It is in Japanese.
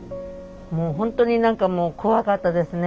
もうほんとに何かもう怖かったですね